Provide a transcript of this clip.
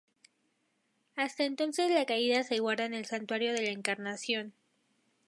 Hasta entonces la Caída se guarda en el Santuario de la Encarnación.